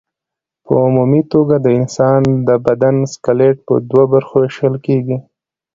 په عمومي توګه د انسان د بدن سکلېټ په دوو برخو ویشل کېږي.